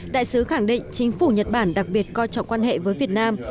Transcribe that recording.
đại sứ khẳng định chính phủ nhật bản đặc biệt coi trọng quan hệ với việt nam